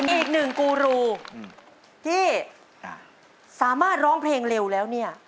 อีกหนึ่งกูรูที่สามารถร้องเพลงเร็วแล้วเนี่ย